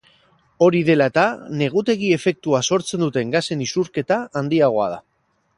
Hori dela eta, negutegi efektua sortzen duten gasen isurketa handiagoa da.